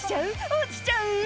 落ちちゃう？」